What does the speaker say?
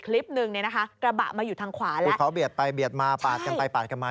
เลนมึงไอ่พวกตรงมา